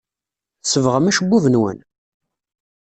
Tsebbɣem acebbub-nwen?